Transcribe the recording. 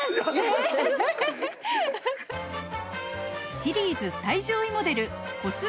シリーズ最上位モデル骨盤